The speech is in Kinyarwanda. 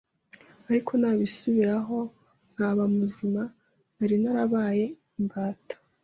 ariko nabisubiraho nkaba muzima, nari narabaye imbata